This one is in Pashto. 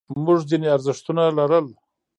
موږ ځینې ارزښتونه لرل.